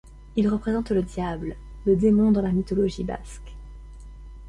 Il représente le diable, le démon dans la mythologie basque.